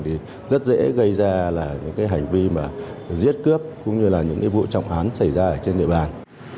thì rất dễ gây ra những hành vi giết cướp cũng như là những vụ trọng án xảy ra trên địa bàn